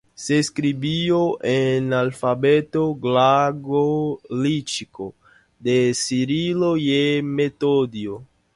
Se escribió en alfabeto glagolítico de Cirilo y Metodio.